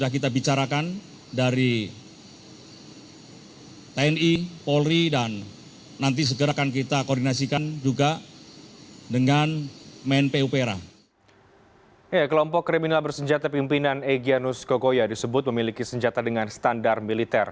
kelompok kriminal bersenjata pimpinan egyanus kokoya disebut memiliki senjata dengan standar militer